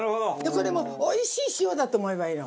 これもおいしい塩だと思えばいいの。